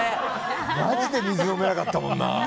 まじで水飲めなかったもんな。